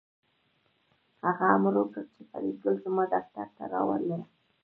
هغه امر وکړ چې فریدګل زما دفتر ته راوله